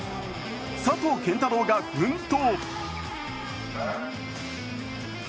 佐藤拳太郎が奮闘。